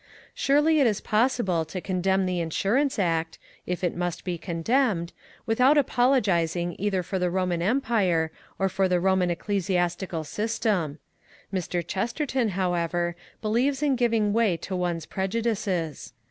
Surely it is possible to condemn the Insurance Act, if it must be condemned, without apologizing either for the Roman Empire or for the Roman ecclesiastical system. Mr. Chesterton, however, believes in giving way to one's prejudices.